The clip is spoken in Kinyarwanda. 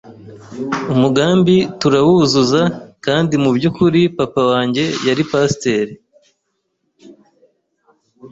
umugambi turawuzuza kandi mu by’ukuri papa wanjye yari Pasteur